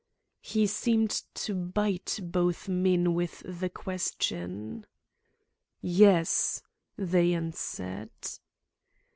He seemed to bite both men with the question. "Yes," they answered.